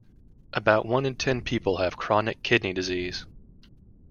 About one in ten people have chronic kidney disease.